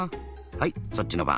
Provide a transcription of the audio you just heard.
はいそっちのばん。